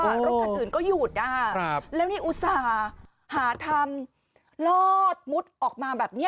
รถคันอื่นก็หยุดนะคะแล้วนี่อุตส่าห์หาทำลอดมุดออกมาแบบนี้